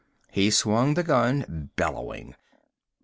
He swung the gun, bellowing.